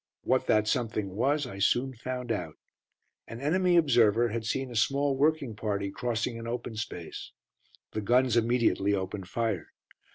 What that something was I soon found out. An enemy observer had seen a small working party crossing an open space. The guns immediately opened fire.